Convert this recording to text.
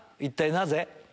一体なぜ？